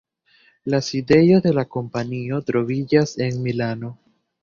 La sidejo de la kompanio troviĝas en Milano.